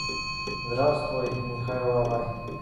— Здравствуй, Михаил ағай!